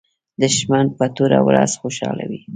دښمن په توره ورځ خوشاله وي